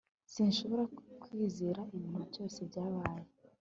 sinshobora kwizera ibintu byose byabaye